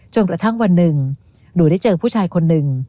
กระทั่งวันหนึ่งหนูได้เจอผู้ชายคนหนึ่ง